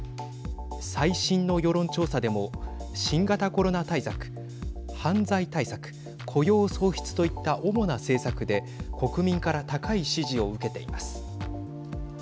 最新の世論調査でも新型コロナ対策犯罪対策、雇用創出といった主な政策で国民から高い支持を受けています。